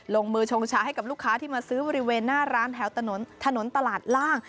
ลงมือชงชาให้กับลูกค้าที่มาซื้อบริเวณหน้าร้านแถวถนนตลาดล่าง